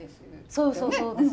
そうそうそうです。